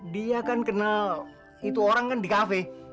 dia kan kenal itu orang kan di kafe